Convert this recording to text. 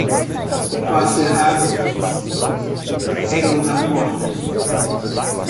O passo errado é o da porta.